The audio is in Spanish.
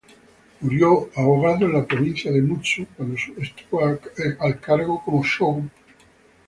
Murió ahogado en la provincia de Mutsu cuando estuvo al cargo como "shōgun".